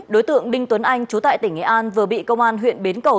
đối tượng đinh tuấn anh chú tại tỉnh nghệ an vừa bị công an huyện bến cầu